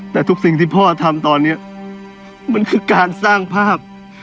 แต่ทุกสิ่งที่พ่อทำตอนนี้มันคือการสร้างภาพ